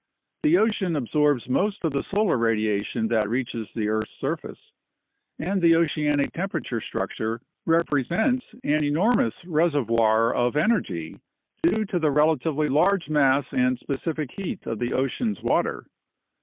The ocean absorbs most of the solar radiation that reaches the earth's surface, and the oceanic temperature structure repre sents an enormous reservoir of energy due to the relatively large mass and specific heat of the ocean's water.